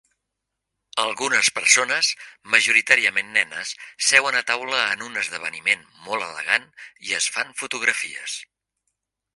Algunes persones, majoritàriament nenes, seuen a taula en un esdeveniment molt elegant i es fan fotografies.